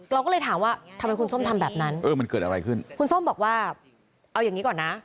เราก็เลยถามว่าทำไมคุณส้มทำแบบนั้นคุณส้มบอกว่าเอาอย่างนี้ก่อนนะ